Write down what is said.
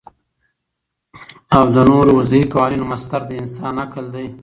او د نورو وضعی قوانینو مصدر د انسان عقل دی